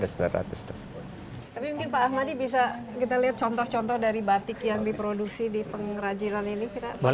tapi mungkin pak ahmadi bisa kita lihat contoh contoh dari batik yang diproduksi di pengrajinan ini